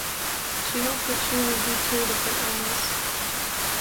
She hoped that she would be cured of her illness.